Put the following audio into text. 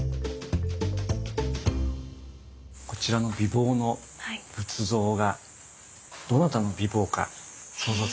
こちらの美貌の仏像がどなたの美貌か想像つきますか？